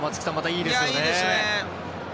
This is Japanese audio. いいですよね。